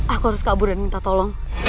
aku harus kabur dan minta tolong